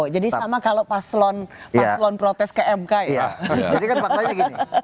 jadi sama kalau paslon protes kmk